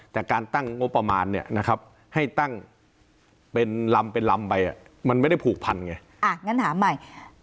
แต่การตั้งงบประมาณให้ตั้งเป็นลำเป็นลำไปมันไม่ได้ผูกพันไง